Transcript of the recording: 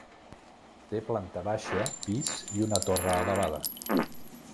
Té planta baixa, pis i una torre elevada.